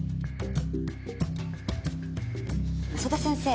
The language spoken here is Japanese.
曽田先生。